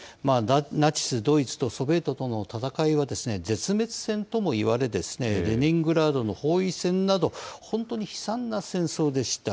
ナチス・ドイツとソビエトとの戦いは、絶滅戦ともいわれ、レニングラードの包囲戦など、本当に悲惨な戦争でした。